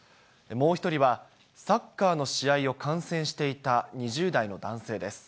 もう１人はサッカーの試合を観戦していた２０代の男性です。